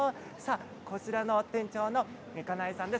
こちらの店長の金井さんです。